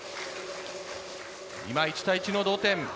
今１対１の同点。